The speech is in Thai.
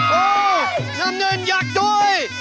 โหนำเนินอยากด้วย